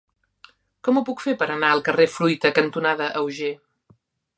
Com ho puc fer per anar al carrer Fruita cantonada Auger?